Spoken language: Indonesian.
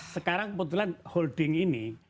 sekarang kebetulan holding ini